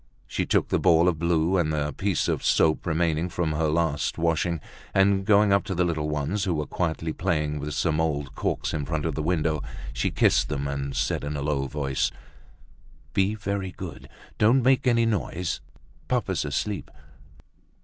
She took the ball of blue and the piece of soap remaining from her last washing, and going up to the little ones who were quietly playing with some old corks in front of the window, she kissed them, and said in a low voice: "Be very good, don't make any noise; papa's asleep."